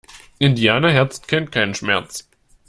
Indianerherz kennt keinen Schmerz!